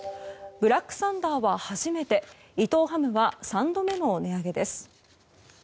ブラックサンダーは初めて伊藤ハムは３度目の値上げです。